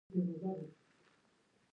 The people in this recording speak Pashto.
چین د نړۍ فابریکې بلل کېږي.